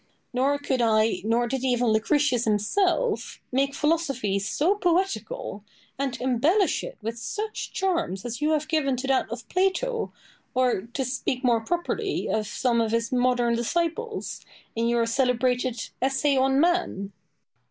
Nor could I, nor did even Lucretius himself, make philosophy so poetical, and embellish it with such charms as you have given to that of Plato, or (to speak more properly) of some of his modern disciples, in your celebrated "Essay on Man."